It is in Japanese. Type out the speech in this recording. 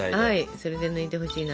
それで抜いてほしいな。